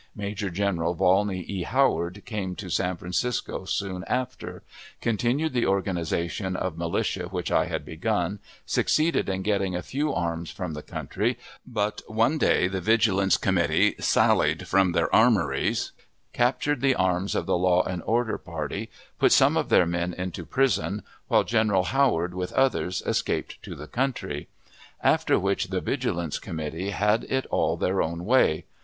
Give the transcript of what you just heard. Major General Volney E. Howard came to San Francisco soon after; continued the organization of militia which I had begun; succeeded in getting a few arms from the country; but one day the Vigilance Committee sallied from their armories, captured the arms of the "Law and Order party," put some of their men into prison, while General Howard, with others, escaped to the country; after which the Vigilance Committee had it all their own way.